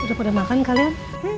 udah pada makan kalian